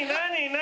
何？